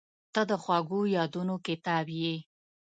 • ته د خوږو یادونو کتاب یې.